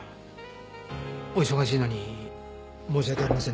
お忙しいのに申し訳ありませんでした。